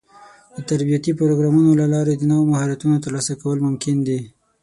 د تربيتي پروګرامونو له لارې د نوو مهارتونو ترلاسه کول ممکن دي.